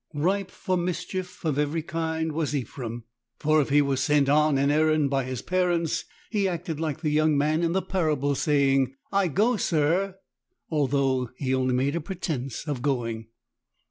Ripe for mischief of every kind was Ephrem, for if he was sent on an errand by his parents he acted like the young man in the parable, saying, "I go, sir," though he only made a pretense of going.